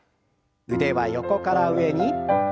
腕は横から上に。